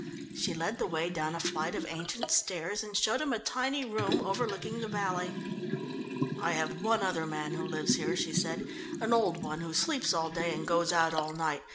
She led the way down a flight of ancient stairs and showed him a tiny room overlooking the valley. "I have one other man who lives here," she said. "An old one, who sleeps all day and goes out all night.